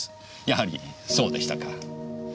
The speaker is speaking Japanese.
やはりそうでしたか。